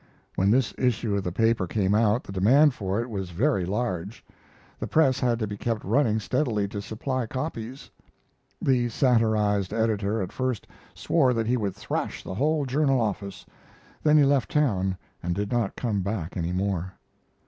When this issue of the paper came out the demand for it was very large. The press had to be kept running steadily to supply copies. The satirized editor at first swore that he would thrash the whole journal office, then he left town and did not come back any more.